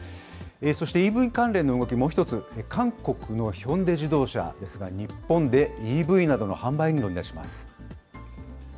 そしてＥＶ関連の動き、もう一つ、韓国のヒョンデ自動車ですが、日本で、ＥＶなどの販売に乗り出します。